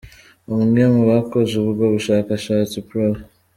Umwe mu bakoze ubwo bushakashatsi, Prof.